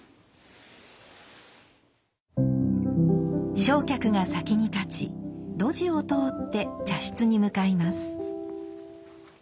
正客が先に立ち露地を通って茶室に向かいます。